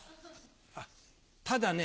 あっただね